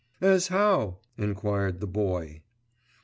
"As how?" enquired the Boy.